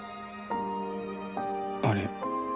あれ？